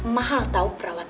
mahal tau prau prau lo wajar itu